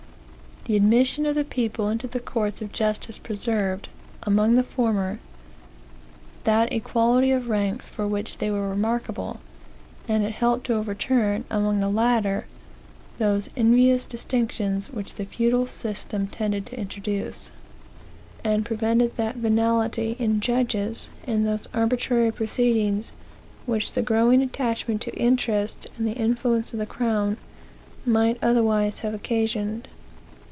The admission of the people into the courts of justice preserved, among the former, that equality of ranks for which they were remarkable; and it helped to overturn, among the latter, those envious distinctions which the feudal system tended to introduce, and prevented that venality in judges, and those arbitrary proceedings, which the growing attachment to interest, and the influence of the crown, might otherwise have occasioned."